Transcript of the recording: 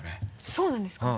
そうなんですか？